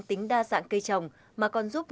tính đa dạng cây trồng mà còn giúp